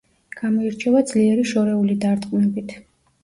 გამოირჩევა ძლიერი შორეული დარტყმებით.